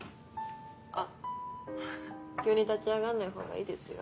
あっ急に立ち上がんないほうがいいですよ。